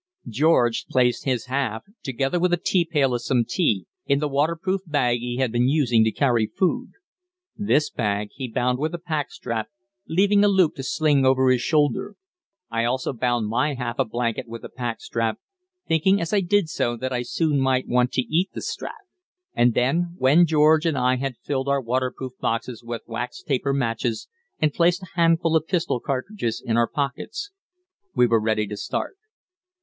George placed his half, together with a tea pail and some tea, in the waterproof bag he had been using to carry food. This bag he bound with a pack strap, leaving a loop to sling over his shoulder. I also bound my half a blanket with a pack strap, thinking as I did so that I soon might want to eat the strap. And then, when George and I had filled our waterproof boxes with wax taper matches, and placed a handful of pistol cartridges in our pockets, we were ready to start.